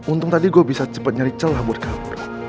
untung tadi gue bisa cepat nyari celah buat kamu